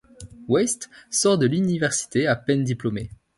West sort de l'Université à peine diplômé.